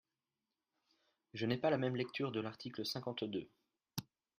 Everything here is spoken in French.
Je n’ai pas la même lecture de l’article cinquante-deux.